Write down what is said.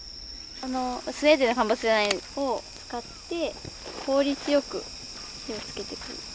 あのスウェーデンの間伐材を使って効率よく火をつけてく。